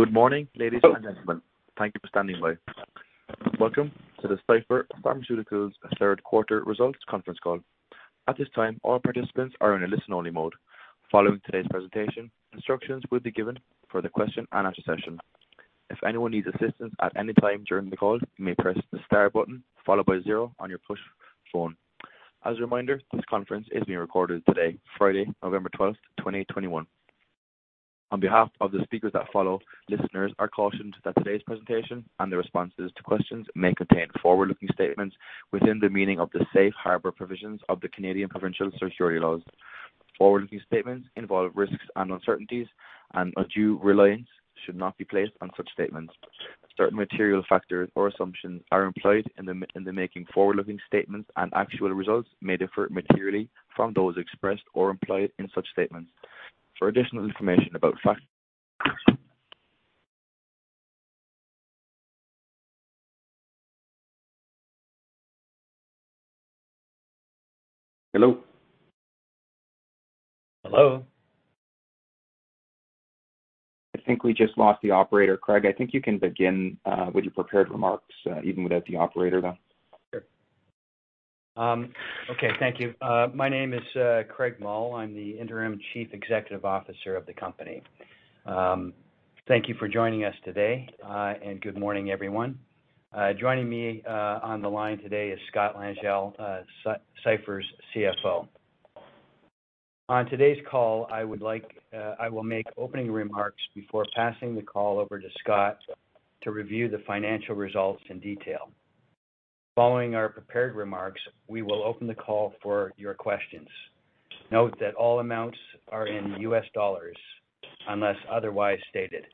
Good morning, ladies and gentlemen. Thank you for standing by. Welcome to the Cipher Pharmaceuticals Q3 Results Conference Call. At this time, all participants are in a listen-only mode. Following today's presentation, instructions will be given for the question and answer session. If anyone needs assistance at any time during the call, you may press the star button followed by zero on your push phone. As a reminder, this conference is being recorded today, Friday, November 12th, 2021. On behalf of the speakers that follow, listeners are cautioned that today's presentation and the responses to questions may contain forward-looking statements within the meaning of the safe harbor provisions of the Canadian provincial securities laws. Forward-looking statements involve risks and uncertainties, and undue reliance should not be placed on such statements. Certain material factors or assumptions are employed in the making forward-looking statements, and actual results may differ materially from those expressed or implied in such statements. For additional information about fact- Hello? Hello. I think we just lost the operator. Craig, I think you can begin with your prepared remarks even without the operator, though. Sure. Okay, thank you. My name is Craig Mull. I'm the Interim Chief Executive Officer of the company. Thank you for joining us today, and good morning, everyone. Joining me on the line today is Scott Langille, Cipher's CFO. On today's call, I will make opening remarks before passing the call over to Scott to review the financial results in detail. Following our prepared remarks, we will open the call for your questions. Note that all amounts are in U.S. dollars unless otherwise stated.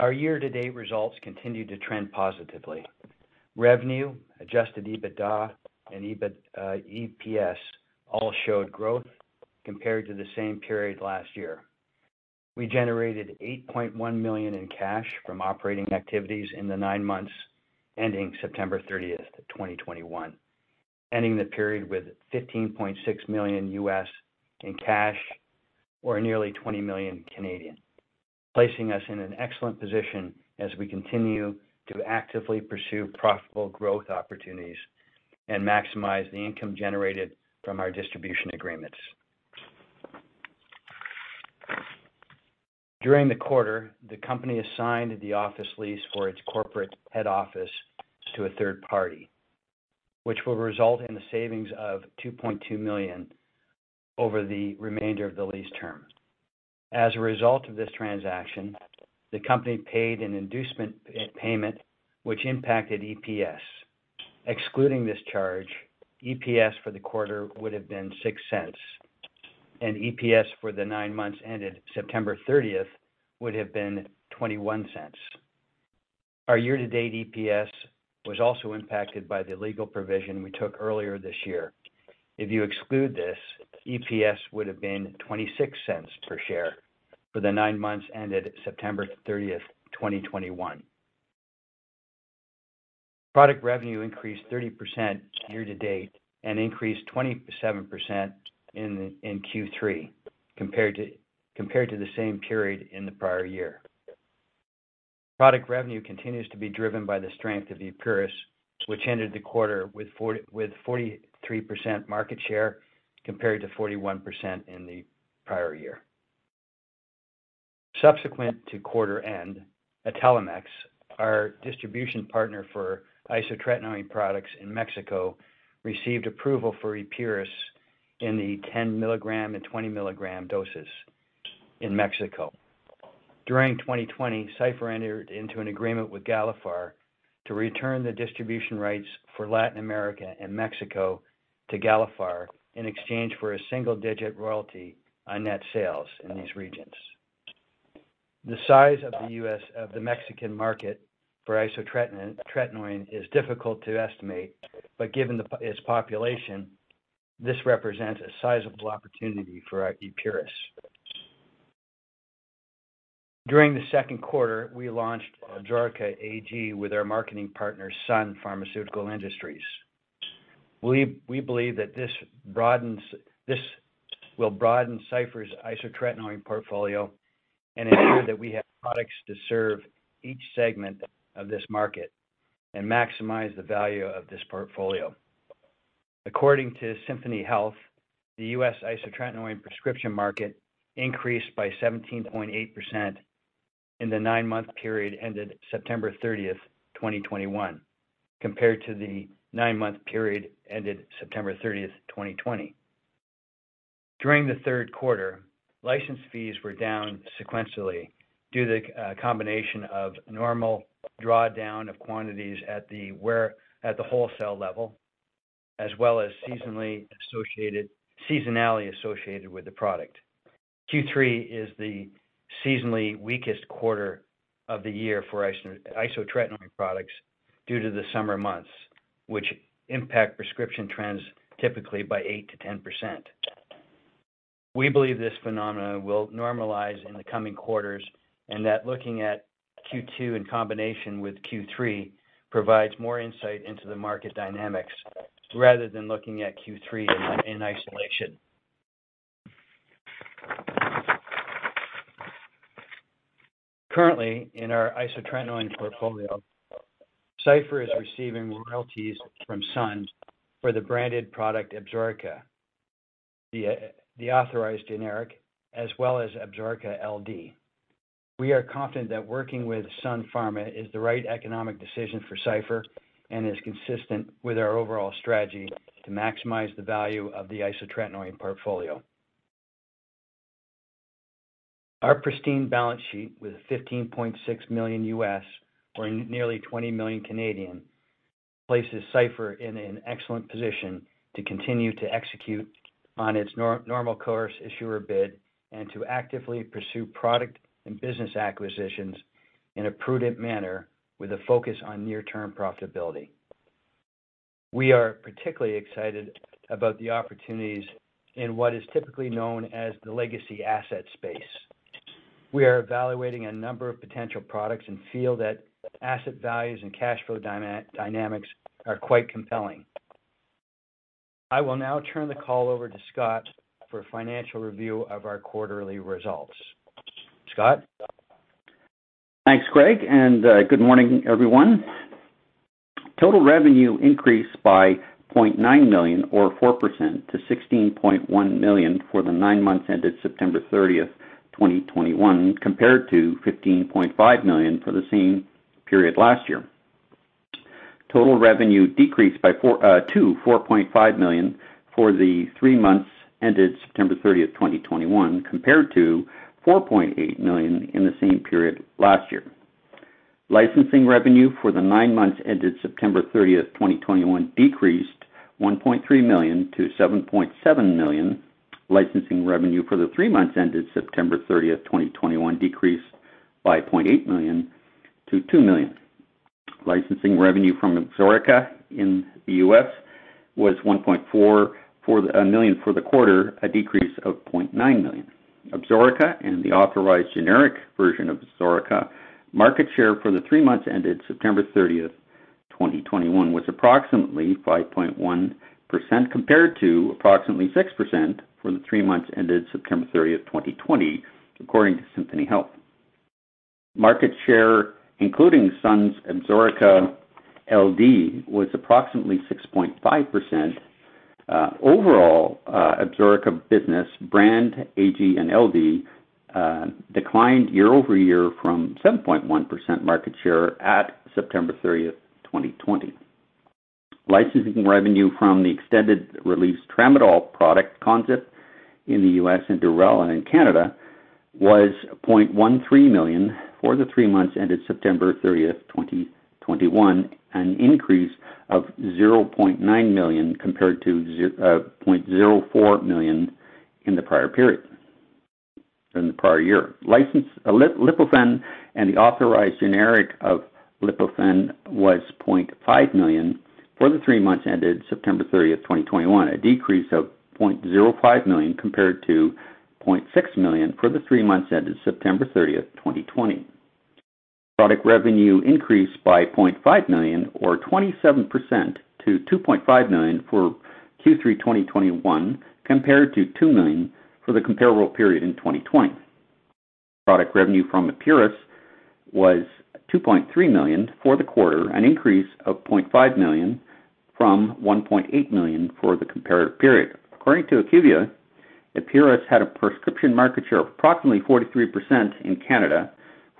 Our year-to-date results continue to trend positively. Revenue, Adjusted EBITDA, and EPS all showed growth compared to the same period last year. We generated $8.1 million in cash from operating activities in the nine months ending September 30th, 2021, ending the period with $15.6 million in cash or nearly 20 million, placing us in an excellent position as we continue to actively pursue profitable growth opportunities and maximize the income generated from our distribution agreements. During the quarter, the company assigned the office lease for its corporate head office to a third party, which will result in a savings of $2.2 million over the remainder of the lease term. As a result of this transaction, the company paid an inducement payment which impacted EPS. Excluding this charge, EPS for the quarter would have been $0.06, and EPS for the nine months ended September 30th would have been $0.21. Our year-to-date EPS was also impacted by the legal provision we took earlier this year. If you exclude this, EPS would have been $0.26 per share for the nine months ended September 30, 2021. Product revenue increased 30% year to date and increased 27% in Q3 compared to the same period in the prior year. Product revenue continues to be driven by the strength of Epuris, which ended the quarter with 43% market share compared to 41% in the prior year. Subsequent to quarter end, Italmex, our distribution partner for isotretinoin products in Mexico, received approval for Epuris in the 10 mg and 20 mg doses in Mexico. During 2020, Cipher entered into an agreement with Galephar to return the distribution rights for Latin America and Mexico to Galephar in exchange for a single-digit royalty on net sales in these regions. The size of the Mexican market for isotretinoin is difficult to estimate, but given its population, this represents a sizable opportunity for our Epuris. During the Q2, we launched Absorica LD with our marketing partner, Sun Pharmaceutical Industries. We believe that this will broaden Cipher's isotretinoin portfolio and ensure that we have products to serve each segment of this market and maximize the value of this portfolio. According to Symphony Health, the U.S. isotretinoin prescription market increased by 17.8% in the nine-month period ended September 30th, 2021, compared to the nine-month period ended September 30th, 2020. During the Q3, license fees were down sequentially due to the combination of normal drawdown of quantities at the wholesale level as well as seasonality associated with the product. Q3 is the seasonally weakest quarter of the year for isotretinoin products due to the summer months, which impact prescription trends typically by 8%-10%. We believe this phenomenon will normalize in the coming quarters and that looking at Q2 in combination with Q3 provides more insight into the market dynamics rather than looking at Q3 in isolation. Currently, in our isotretinoin portfolio, Cipher is receiving royalties from Sun for the branded product Absorica, the authorized generic as well as Absorica LD. We are confident that working with Sun Pharma is the right economic decision for Cipher and is consistent with our overall strategy to maximize the value of the isotretinoin portfolio. Our pristine balance sheet with $15.6 million or nearly 20 million places Cipher in an excellent position to continue to execute on its normal course issuer bid and to actively pursue product and business acquisitions in a prudent manner with a focus on near-term profitability. We are particularly excited about the opportunities in what is typically known as the legacy asset space. We are evaluating a number of potential products and feel that asset values and cash flow dynamics are quite compelling. I will now turn the call over to Scott for a financial review of our quarterly results. Scott? Thanks, Craig, and good morning, everyone. Total revenue increased by $0.9 million or 4% to $16.1 million for the nine months ended September 30th, 2021, compared to $15.5 million for the same period last year. Total revenue decreased by $0.3 million to $4.5 million for the three months ended September 30th, 2021, compared to $4.8 million in the same period last year. Licensing revenue for the nine months ended September 30th, 2021, decreased $1.3 million to $7.7 million. Licensing revenue for the three months ended September 30th, 2021, decreased by $0.8 million to $2 million. Licensing revenue from Absorica in the U.S. was $1.4 million for the quarter, a decrease of $0.9 million. Absorica and the authorized generic version of Absorica market share for the three months ended September 30th, 2021, was approximately 5.1% compared to approximately 6% for the three months ended September 30th, 2020, according to Symphony Health. Market share, including Sun's Absorica LD, was approximately 6.5%. Overall, Absorica business brand AG and LD declined year-over-year from 7.1% market share at September 30, 2020. Licensing revenue from the extended-release tramadol product, ConZip, in the U.S. and Durela in Canada was $0.13 million for the three months ended September 30, 2021, an increase of $0.9 million compared to $0.04 million in the prior period, in the prior year. Lipofen and the authorized generic of Lipofen was $0.5 million for the three months ended September 30th, 2021, a decrease of $0.05 million compared to $0.6 million for the three months ended September 30th, 2020. Product revenue increased by $0.5 million or 27% to $2.5 million for Q3 2021 compared to $2 million for the comparable period in 2020. Product revenue from Epuris was $2.3 million for the quarter, an increase of $0.5 million from $1.8 million for the comparative period. According to IQVIA, Epuris had a prescription market share of approximately 43% in Canada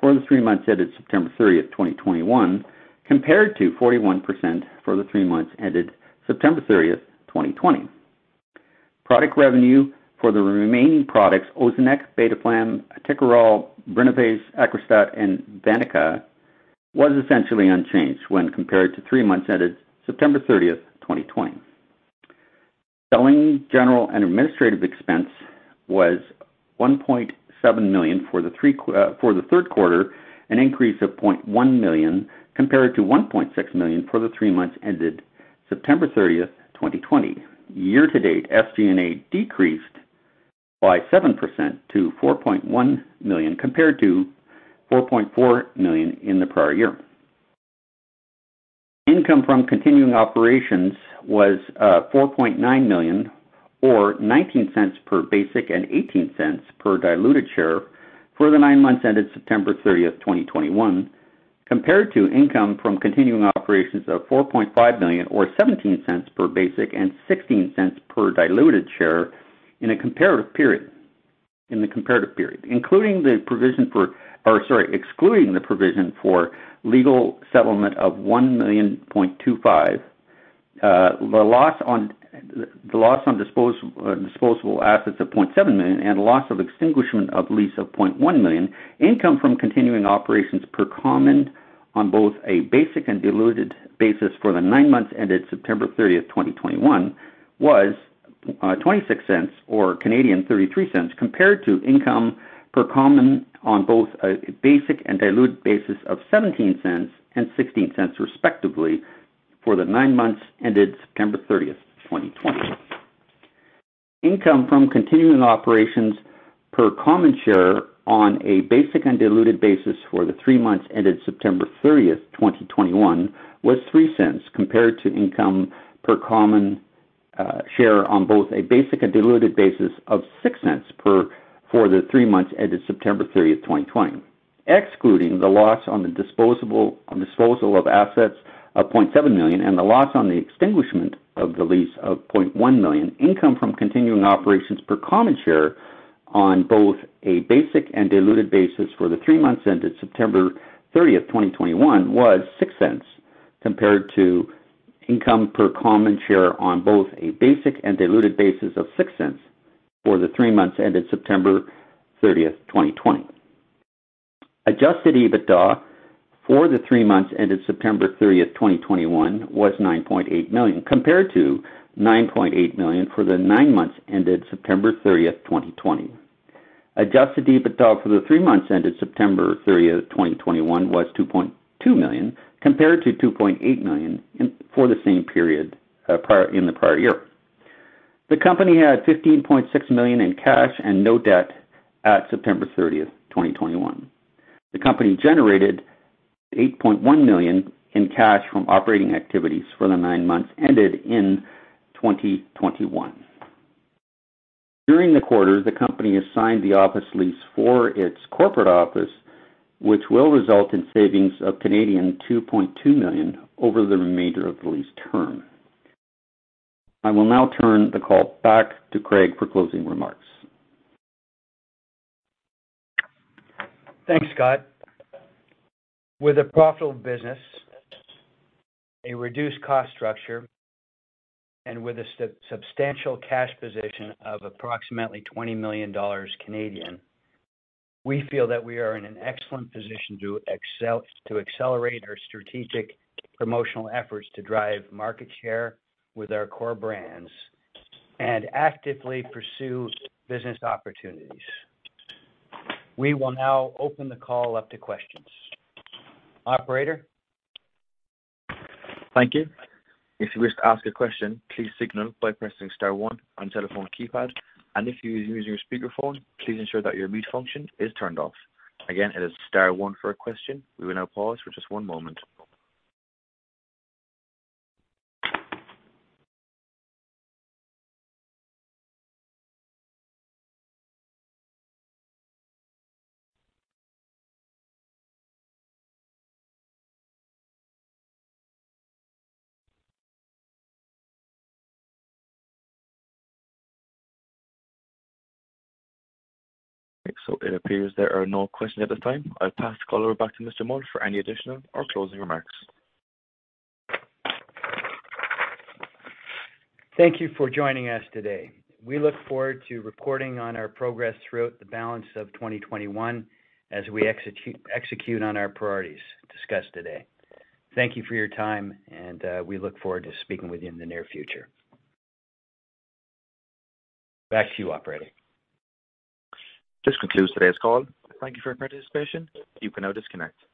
for the three months ended September 30th, 2021, compared to 41% for the three months ended September 30th, 2020. Product revenue for the remaining products, Ozanex, Beteflam, Actikerall, Brinavess, Aggrastat, and Vaniqa, was essentially unchanged when compared to three months ended September 30th, 2020. Selling general and administrative expense was $1.7 million for the Q3, an increase of $0.1 million compared to $1.6 million for the three months ended September 30th, 2020. Year to date, SG&A decreased by 7% to $4.1 million compared to $4.4 million in the prior year. Income from continuing operations was $4.9 million or $0.19 per basic and $0.18 per diluted share for the nine months ended September 30th, 2021, compared to income from continuing operations of $4.5 million or $0.17 per basic and $0.16 per diluted share in the comparative period. Sorry. Excluding the provision for legal settlement of $1.25 million, the loss on disposal of assets of $0.7 million and a loss on extinguishment of lease of $0.1 million, income from continuing operations per common share on both a basic and diluted basis for the nine months ended September 30th, 2021, was $0.26 or 0.33 compared to income per common share on both a basic and diluted basis of $0.17 and $0.16, respectively, for the nine months ended September 30th, 2020. Income from continuing operations per common share on a basic and diluted basis for the three months ended September 30th, 2021 was $0.03 compared to income per common share on both a basic and diluted basis of $0.06 for the three months ended September 30th, 2020. Excluding the loss on disposal of assets of $0.7 million and the loss on the extinguishment of the lease of $0.1 million, income from continuing operations per common share on both a basic and diluted basis for the three months ended September 30th, 2021 was $0.06, compared to income per common share on both a basic and diluted basis of $0.06 for the three months ended September 30th, 2020. Adjusted EBITDA for the three months ended September 30th, 2021 was $9.8 million, compared to $9.8 million for the nine months ended September 30th, 2020. Adjusted EBITDA for the three months ended September 30, 2021 was $2.2 million compared to $2.8 million for the same period in the prior year. The company had $15.6 million in cash and no debt at September 30th, 2021. The company generated $8.1 million in cash from operating activities for the nine months ended in 2021. During the quarter, the company has signed the office lease for its corporate office, which will result in savings of 2.2 million Canadian dollars over the remainder of the lease term. I will now turn the call back to Craig for closing remarks. Thanks, Scott. With a profitable business, a reduced cost structure, and with a substantial cash position of approximately 20 million Canadian dollars, we feel that we are in an excellent position to accelerate our strategic promotional efforts to drive market share with our core brands and actively pursue business opportunities. We will now open the call up to questions. Operator? Thank you. If you wish to ask a question, please signal by pressing star one on telephone keypad. If you are using your speakerphone, please ensure that your mute function is turned off. Again, it is star one for a question. We will now pause for just one moment. It appears there are no questions at this time. I'll pass the call over back to Mr. Mull for any additional or closing remarks. Thank you for joining us today. We look forward to reporting on our progress throughout the balance of 2021 as we execute on our priorities discussed today. Thank you for your time, and we look forward to speaking with you in the near future. Back to you, operator. This concludes today's call. Thank you for your participation. You can now disconnect.